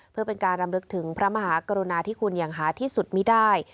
เพื่อเป็นการรำลึกถึงพระมหากรุณาที่คุณอย่างหาที่สุดมีได้